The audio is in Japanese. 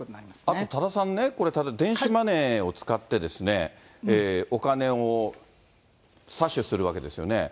あと多田さんね、これ、例えば、電子マネーを使って、お金を詐取するわけですよね。